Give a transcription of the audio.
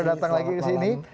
datang lagi ke sini